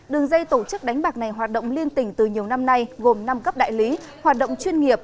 đường dây tổ chức đánh bạc này hoạt động liên tỉnh từ nhiều năm nay gồm năm cấp đại lý hoạt động chuyên nghiệp